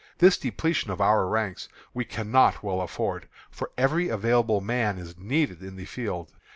This depletion of our ranks we cannot well afford, for every available man is needed in the field.